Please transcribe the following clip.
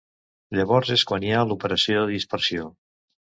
Llavors és quan hi ha l’operació de dispersió.